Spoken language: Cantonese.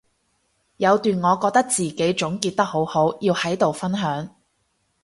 有段我覺得自己總結得好好要喺度分享